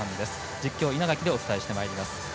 実況、稲垣でお伝えしていきます。